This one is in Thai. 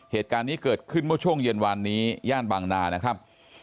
เหตุการณ์นี้เกิดขึ้นเมื่อช่วงเย็นวานนี้ย่านบางนานะครับ